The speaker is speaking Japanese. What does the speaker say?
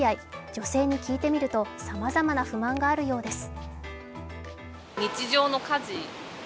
女性に聞いてみると、さまざまな不満があるようです。